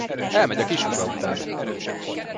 Elmegy a kishúga után!